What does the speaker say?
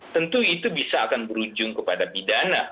tentu itu bisa akan berujung kepada pidana